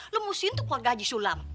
lo musuhin tuh keluarga aja sulam